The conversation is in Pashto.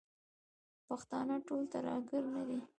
پښتانه ټول ترهګر نه دي.